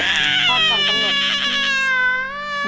ท่อดฟังก่อนหมด